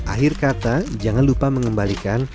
akhir kata jangan lupa mengembalikan